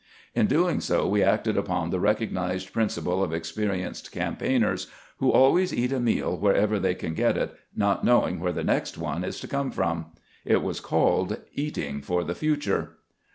In doing so we acted upon the recognized principle of ex perienced campaigners, who always eat a meal wherever they can get it, not knowing where the next one is to come from. It was called " eating for the future."